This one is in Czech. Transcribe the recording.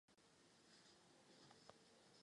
Linky byly ve studii nazývané „přepravní ramena“.